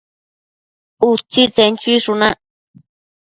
Utsitsen chuishunac